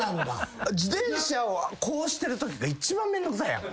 自転車をこうしてるときが一番めんどくさいやん。